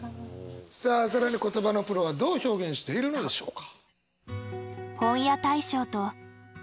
さあ更に言葉のプロはどう表現しているのでしょうか？